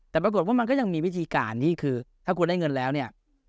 แต่ปรากฏว่ามันก็ยังมีวิธีการที่คือถ้าคุณได้เงินแล้วเนี่ย